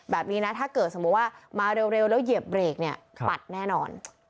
แบบนี้นะถ้าเกิดสมมุติว่ามาเร็วแล้วเหยียบเบรกเนี่ยปัดแน่นอน